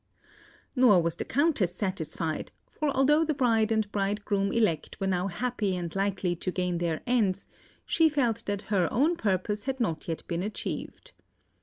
Nor was the Countess satisfied; for although the bride and bridegroom elect were now happy and likely to gain their ends, she felt that her own purpose had not yet been achieved.